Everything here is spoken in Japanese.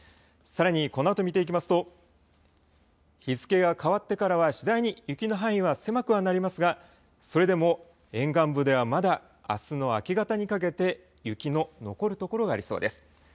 さらに、このあと見ていきますと日付が変わってからは次第に雪の範囲は狭くはなりますがそれでも沿岸部ではまだ、あすの明け方にかけて雪の残る所がありそうです。